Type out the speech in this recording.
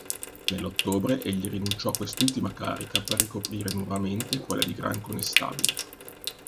Nell'ottobre egli rinunciò a quest'ultima carica per ricoprire nuovamente quella di Gran Conestabile.